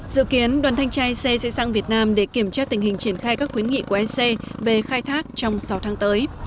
dự kiến đoàn thanh trai sc sẽ sang việt nam để kiểm tra tình hình triển khai các quyến nghị của sc về khai thác trong sáu tháng tới